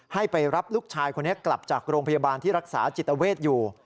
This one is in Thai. ให้ไปรับลูกชายคนนี้กลับจากโรงพยาบาลที่รักษาจิตเวทอยู่